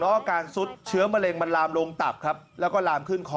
อาการซุดเชื้อมะเร็งมันลามลงตับครับแล้วก็ลามขึ้นคอ